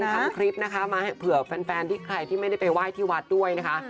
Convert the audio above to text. ทำคลิปนะคะมาเผื่อแฟนที่ใครที่ไม่ได้ไปไหว้ที่วัดด้วยนะคะ